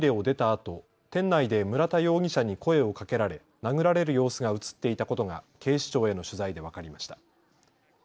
あと店内で村田容疑者に声をかけられ殴られる様子が写っていたことが警視庁への取材で分かりました。